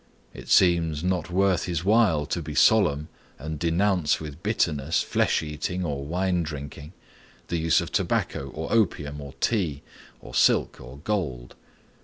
It seems not worth his while to be solemn and denounce with bitterness flesh eating or wine drinking, the use of tobacco, or opium, or tea, or silk, or gold.